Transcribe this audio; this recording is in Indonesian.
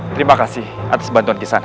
terima kasih atas bantuan kisah